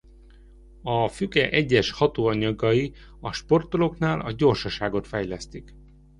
A füge egyes hatóanyagai a sportolóknál a gyorsaságot fejlesztik.